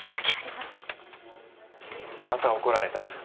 また怒られた？